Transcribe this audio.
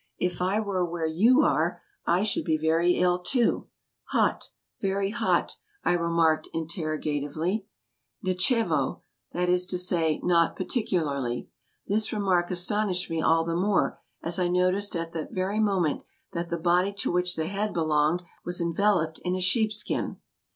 "If I were where you are I should be very ill too." " Hot, very hot ?" I remarked interrogatively. " Nitchevo "— that is to say, " Not particularly." This remark astonished me all the more, as I noticed at that very moment that the body to which the head belonged was en veloped in a sheep skin